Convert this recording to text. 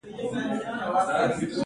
دا پروسه د ستونزې په لیدلو پیلیږي.